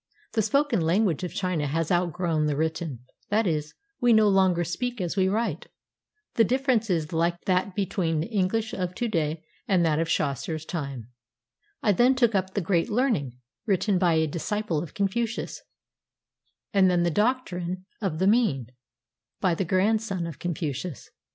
The spoken lan guage of China has outgrown the written; that is, we no longer speak as we write. The difference is like that between the Enghsh of to day and that of Chaucer's time. I then took up the "Great Learning," written by a disciple of Confucius, and then the "Doctrine of the Mean," by the grandson of Confucius.